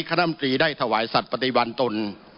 คณะมตรีได้ถวายสัตว์ปฏิบันตน